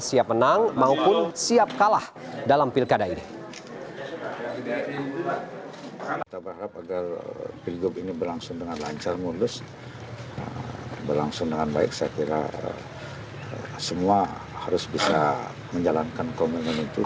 siap menang maupun siap kalah dalam pilkada ini berlangsung